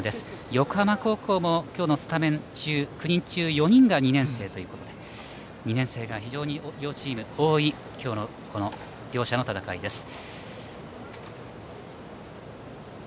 横浜高校も今日のスタメン９人中４人が２年生ということで２年生が非常に多い今日の両者の戦いです。